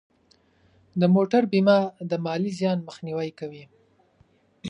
د موټر بیمه د مالی زیان مخنیوی کوي.